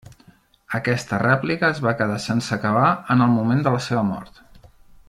Aquesta rèplica es va quedar sense acabar en el moment de la seva mort.